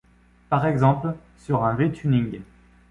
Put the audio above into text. Par exemple sur un v-tuning.